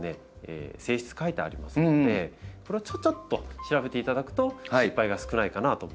性質書いてありますのでこれをちょちょっと調べていただくと失敗が少ないかなと思うんです。